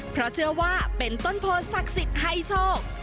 เพราะเชื่อว่าเป็นต้นโพศักดิ์สิทธิ์ให้โชค